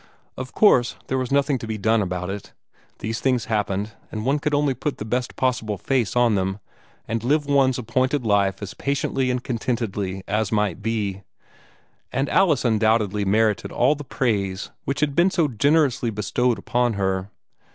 Of course there was nothing to be done about it. These things happened, and one could only put the best possible face on them, and live one's appointed life as patiently and contentedly as might be. And Alice undoubtedly merited all the praise which had been so generously bestowed upon her.